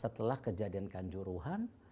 setelah kejadian kanjuruhan